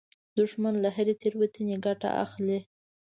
دښمن له هرې تېروتنې ګټه اخلي